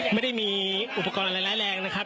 ไม่ได้มีอุปกรณ์อะไรร้ายแรงนะครับ